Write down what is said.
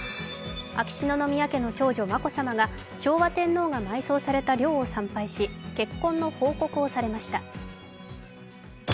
秋篠宮家の長女、眞子さまが昭和天皇が埋葬された陵を参拝し結婚の報告をされました。